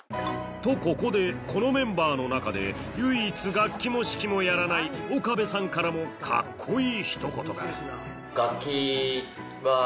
とここでこのメンバーの中で唯一楽器も指揮もやらない岡部さんからも・カッコいい！